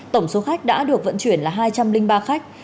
tổng số khách đã được vận chuyển là hai trăm linh ba khách